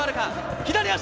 左足！